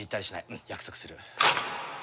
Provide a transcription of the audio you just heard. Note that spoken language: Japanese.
うん！約束する。